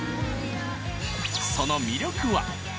その魅力は。